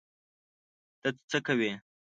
ته څه کوې؟